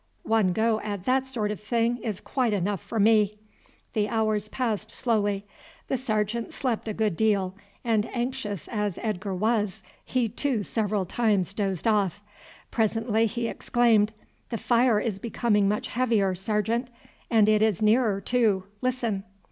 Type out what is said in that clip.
"One go at that sort of thing is quite enough for me." The hours passed slowly. The sergeant slept a good deal, and anxious as Edgar was he too several times dozed off. Presently he exclaimed, "The fire is become much heavier, sergeant; and it is nearer too. Listen!"